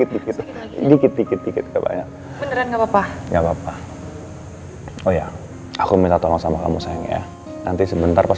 beneran enggak papa enggak papa oh ya aku minta tolong sama kamu sayang ya nanti sebentar pas